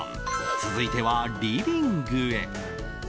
続いてはリビングへ。